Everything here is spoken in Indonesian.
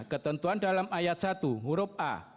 ketentuan dalam ayat satu huruf a